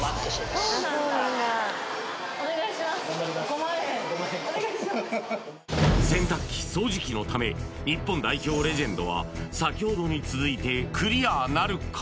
５万円洗濯機掃除機のため日本代表レジェンドは先ほどに続いてクリアなるか？